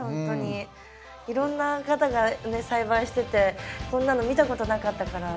いろんな方がね栽培しててこんなの見たことなかったから。